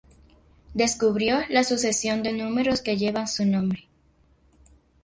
Descubrió la sucesión de números que lleva su nombre.